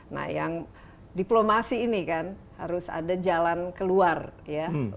nah yang diplomasi ini kan harus ada jalan keluar ya